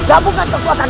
kamu akan terkenal